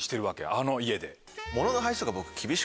あの家で。